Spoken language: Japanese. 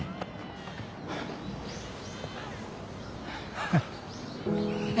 ハハハ。